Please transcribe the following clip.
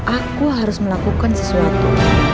aku harus melakukan sesuatu